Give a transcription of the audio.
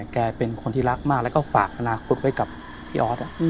แกเป็นคนที่รักมากแล้วก็ฝากอนาคตไว้กับพี่ออส